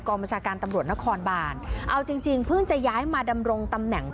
บัญชาการตำรวจนครบานเอาจริงจริงเพิ่งจะย้ายมาดำรงตำแหน่ง